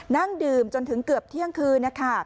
นั่งดื่มจนถึงเกือบเที่ยงคืนนะคะ